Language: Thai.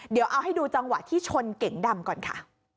เดี๋ยวเอาให้ดูจังหวะที่ชนเก๋งดำก่อนค่ะ